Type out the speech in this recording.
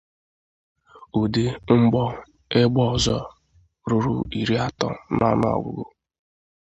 ụdị mgbọ égbè ọzọ ruru iri atọ n'ọnụọgụgụ